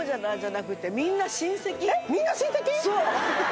そう。